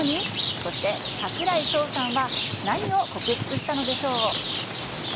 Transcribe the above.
そして櫻井翔さんは何を克服したのでしょう。